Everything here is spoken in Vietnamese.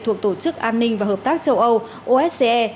thuộc tổ chức an ninh và hợp tác châu âu ose